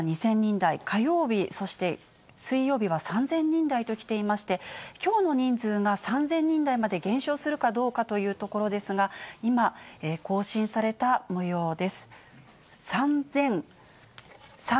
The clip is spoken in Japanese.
月曜日は２０００人台、火曜日、そして水曜日は３０００人台ときていまして、きょうの人数が３０００人台まで減少するかどうかというところですが、今、更新されたもようです。